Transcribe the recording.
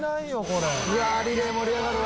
うわリレー盛り上がるわ。